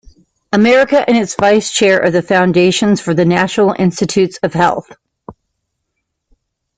America and is Vice-Chair of the Foundation for the National Institutes of Health.